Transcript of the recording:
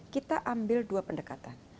kita ambil dua pendekatan